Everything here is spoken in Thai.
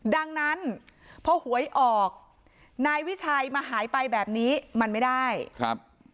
ดังนั้นพอหวยออกนายวิชัยมาหายไปแบบนี้มันไม่ได้ครับ